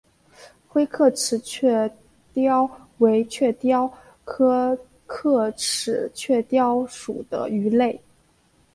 灰刻齿雀鲷为雀鲷科刻齿雀鲷属的鱼类。